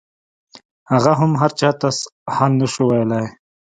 هغه هم هرچا ته حال نسو ويلاى.